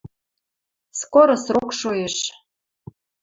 Скоро срок шоэш.